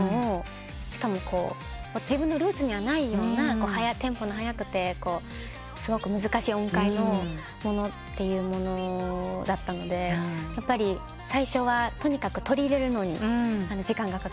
しかも自分のルーツにはないようなテンポの速くてすごく難しい音階のものだったのでやっぱり最初はとにかく取り入れるのに時間がかかって。